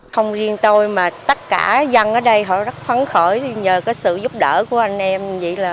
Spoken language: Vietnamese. không riêng tôi mà tất cả dân ở đây họ rất phấn khởi nhờ sự giúp đỡ của anh em